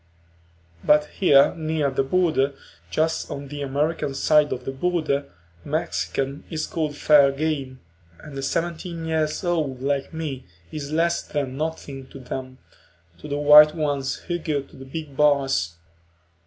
But here near the border, just on the American side of the border, a Mexican is called fair game, and a seventeen year old like me is less than nothing to them, to the white ones who go to the big bars.